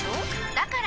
だから！